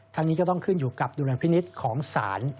นี้ก็ต้องขึ้นอยู่กับดุลพินิษฐ์ของศาล